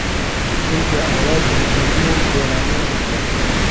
چونکە ئاوازیان ژەنیوە و گۆرانییان وتووە